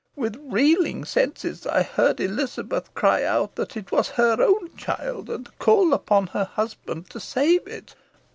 With reeling senses I heard Elizabeth cry out that it was her own child, and call upon her husband to save it.